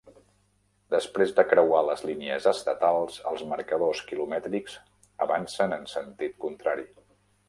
Després de creuar les línies estatals, els marcadors quilomètrics avancen en sentit contrari.